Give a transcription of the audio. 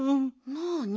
なあに？